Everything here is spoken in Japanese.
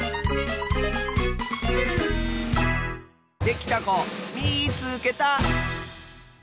できたこみいつけた！